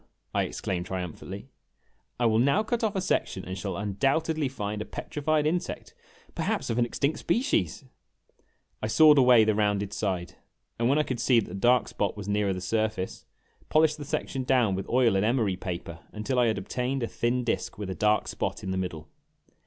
I exclaimed triumphantly; "I will now cut off a section and shall undoubtedly find a petrified insect perhaps of an extinct species ! I sawed away the rounded side, and when I could see that the dark spot was nearer the surface, polished the section down with oil and emery paper until I had obtained a thin disk with a dark spot in the middle.